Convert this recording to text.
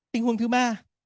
tình huống thứ ba